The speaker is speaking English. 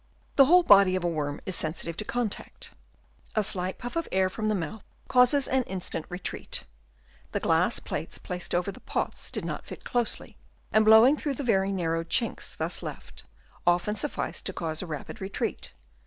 The whole body of a worm is sensitive to contact. A slight puff of air from the mouth causes an instant retreat. The glass plates placed over the pots did not fit closely, and blowing through the very narrow chinks thus left, often sufficed to cause a rapid retreat.